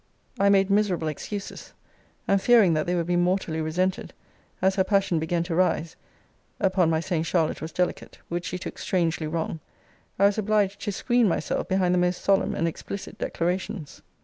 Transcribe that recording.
I made miserable excuses; and fearing that they would be mortally resented, as her passion began to rise upon my saying Charlotte was delicate, which she took strangely wrong, I was obliged to screen myself behind the most solemn and explicit declarations.